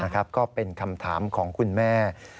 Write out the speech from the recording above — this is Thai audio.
ก็เป็นคำถามของคุณแม่